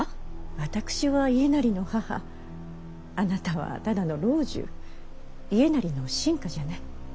私は家斉の母あなたはただの老中家斉の臣下じゃない。